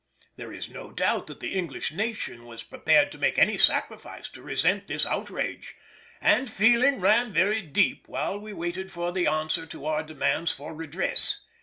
There is no doubt that the English nation was prepared to make any sacrifice to resent this outrage, and feeling ran very deep while we waited for the answer to our demands for redress.